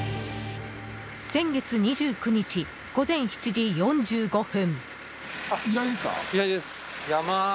先月２９日、午前７時４５分。